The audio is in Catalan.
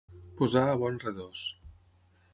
Posar a bon redós.